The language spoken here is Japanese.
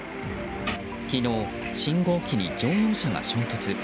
昨日、信号機に乗用車が衝突。